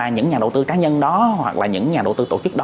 những nhà đầu tư cá nhân đó hoặc là những nhà đầu tư tổ chức đó